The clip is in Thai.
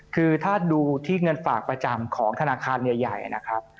คือถ้าดูที่เงินฝากประจำของธนาคารใหญ่นะครับ